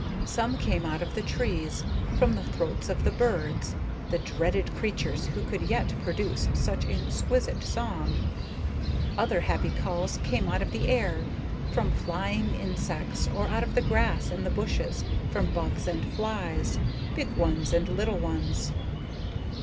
Some came out of the trees, from the throats of the birds, the dreaded creatures who could yet produce such exquisite song; other happy calls came out of the air, from flying insects, or out of the grass and the bushes, from bugs and flies, big ones and little ones.